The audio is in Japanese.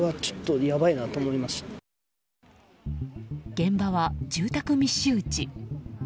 現場は、住宅密集地。